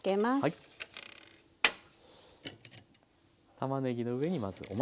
たまねぎの上にまずお豆。